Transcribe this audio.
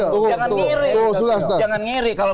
kalau bang sandi dan saya dirhubungin sama